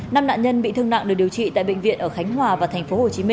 năm nạn nhân bị thương nặng được điều trị tại bệnh viện ở khánh hòa và tp hcm